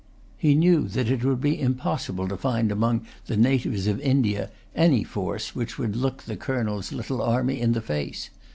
He knew that it would be impossible to find among the natives of India any force which would look the Colonel's little army in the face.